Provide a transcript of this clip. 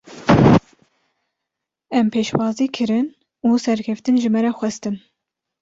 Em pêşwazî kirin û serkeftin ji me re xwestin.